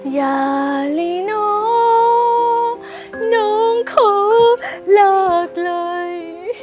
อย่าลีนอกน้องขวว์หลอกเลย